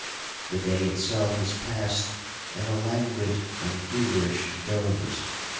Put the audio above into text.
The day itself is passed in a languid and feverish doze.